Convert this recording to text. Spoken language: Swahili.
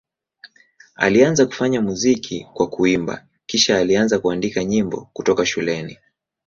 Alianza kufanya muziki kwa kuimba, kisha alianza kuandika nyimbo kutoka shuleni.